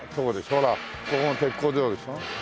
ほらここも鉄工所でしょ。